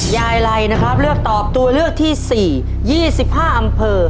ไลนะครับเลือกตอบตัวเลือกที่๔๒๕อำเภอ